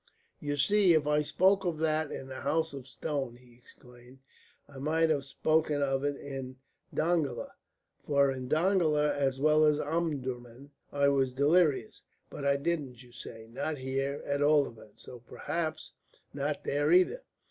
"You see if I spoke of that in the House of Stone," he exclaimed, "I might have spoken of it in Dongola. For in Dongola as well as in Omdurman I was delirious. But I didn't, you say not here, at all events. So perhaps not there either.